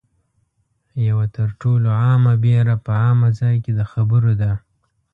یوه تر ټولو عامه وېره په عامه ځای کې د خبرو ده